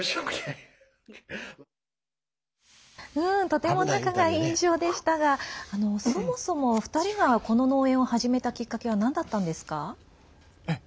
とても仲がいい印象でしたがそもそも２人がこの農園を始めたきっかけはなんだったんですか？